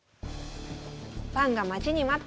ファンが待ちに待った振り